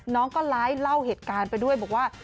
น้องก็ไลฟ์เล่าเหตุการณ์ไปด้วยบอกว่า